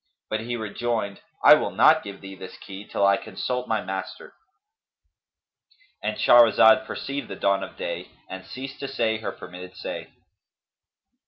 But he rejoined, 'I will not give thee this key till I consult my master,'"—And Shahrazad perceived the dawn of day and ceased to say her permitted say.